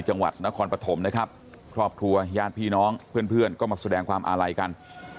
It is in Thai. จังหวัดนครปฐมครอบครัวย่านพี่น้องเพื่อนก็มาแสดงความอาหลัยกัน